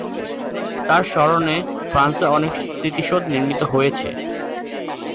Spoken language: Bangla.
তার স্মরণে ফ্রান্সে অনেক স্মৃতিসৌধ নির্মিত হয়েছে।